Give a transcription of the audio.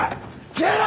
消えろ！